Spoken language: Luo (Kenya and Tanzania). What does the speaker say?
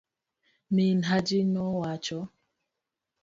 min hajinowacho